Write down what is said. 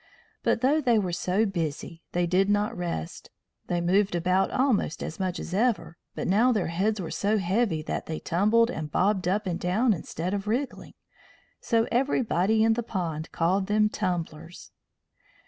But though they were so busy, they did not rest; they moved about almost as much as ever, but now their heads were so heavy that they tumbled and bobbed up and down instead of wriggling. So everybody in the pond called them tumblers.